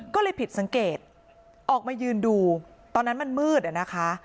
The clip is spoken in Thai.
ก็เลยผิดสังเกตออกมายืนดูตอนนั้นมันมืดอะนะคะ